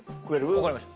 分かりました